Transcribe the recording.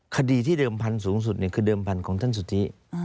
คดีที่เดิมพันสูงสุดเนี่ยคือเดิมพันของท่านสุธิ